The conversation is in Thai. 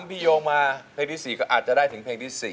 พี่โยงมาเพลงที่๔ก็อาจจะได้ถึงเพลงที่๔